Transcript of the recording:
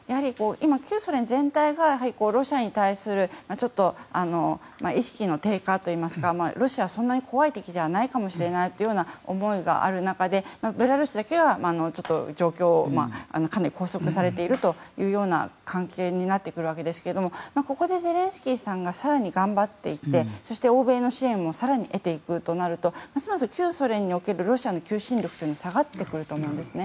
旧ソ連全体がロシアに対するちょっと意識の低下といいますかロシアはそんなに怖い敵ではないかもしれないというような思いがある中でベラルーシだけが状況がかなり拘束されているという関係になってくるわけですがここでゼレンスキーさんが更に頑張っていってそして欧米の支援も更に得ていくとなるとますます旧ソ連におけるロシアの求心力というのは下がってくると思うんです。